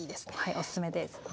おすすめです。